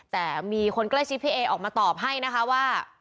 แต่มีคนใกล้ชิดพี่เอออกมาตอบให้นะคะว่า